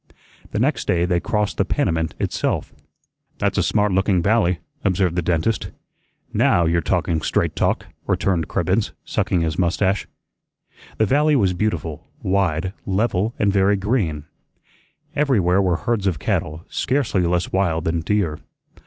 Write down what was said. The next day they crossed the Panamint itself. "That's a smart looking valley," observed the dentist. "NOW you're talking straight talk," returned Cribbens, sucking his mustache. The valley was beautiful, wide, level, and very green. Everywhere were herds of cattle, scarcely less wild than deer.